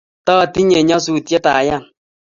taatinye nyasutiet ayan